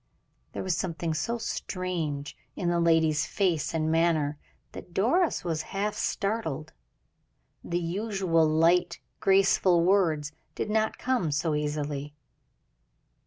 There was something so strange in the lady's face and manner that Doris was half startled. The usual light, graceful words did not come so easily.